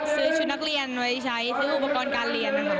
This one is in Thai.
ซื้อชุดนักเรียนไว้ใช้ซื้ออุปกรณ์การเรียนนะคะ